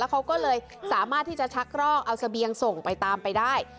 เขาก็เลยสามารถที่จะชักรอกเอาเสบียงส่งไปตามไปได้